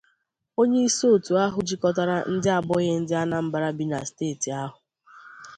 onyeisi òtù ahụ jikọtara ndị abụghị ndị Anambra bi na steeti ahụ